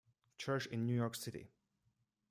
Church in New York City.